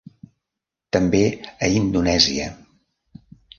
També a Indonèsia.